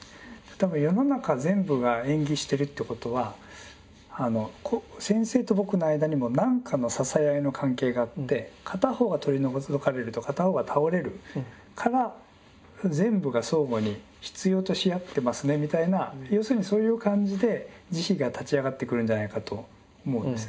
多分世の中全部が縁起してるってことは先生と僕の間にも何かの支え合いの関係があって片方が取り除かれると片方が倒れるから全部が相互に必要とし合ってますねみたいな要するにそういう感じで慈悲が立ち上がってくるんじゃないかと思うんです。